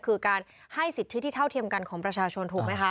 คือการให้สิทธิที่เท่าเทียมกันของประชาชนถูกไหมคะ